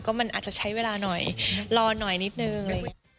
ก็มันอาจจะใช้เวลาหน่อยรอหน่อยนิดนึง